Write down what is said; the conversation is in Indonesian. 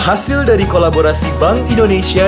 hasil dari kolaborasi bank indonesia